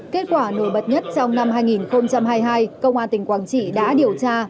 kết quả nổi bật nhất trong năm hai nghìn hai mươi hai công an tỉnh quảng trị đã điều tra